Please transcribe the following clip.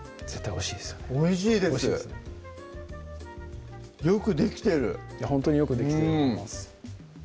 おいしいですおいしいですねよくできてるほんとによくできてると思います